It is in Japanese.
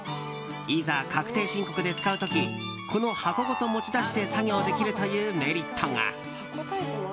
いざ確定申告で使う時この箱ごと持ち出して作業できるというメリットが。